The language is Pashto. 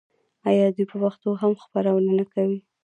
آیا دوی په پښتو هم خپرونې نه کوي؟